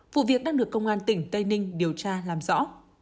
vụ việc đang được công an tỉnh tây ninh điều tra làm rõ